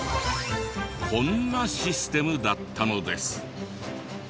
こんなシステムだったのです。